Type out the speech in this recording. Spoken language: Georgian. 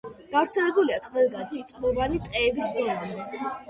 გავრცელებულია ყველგან, წიწვოვანი ტყეების ზონამდე.